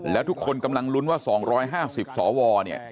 แล้วทุกคนกำลังลุ้นว่า๒๕๐สวเนี่ย